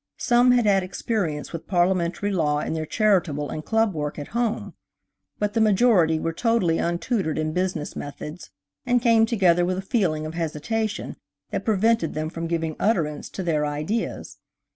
Some had had experience with parliamentary law in their charitable and club work at home, but the majority were totally untutored in business methods and came together with a feeling of hesitation that prevented them from giving utterance to their ideas.